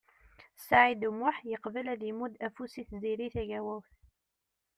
Saɛid U Muḥ yeqbel ad imudd afus i Tiziri Tagawawt.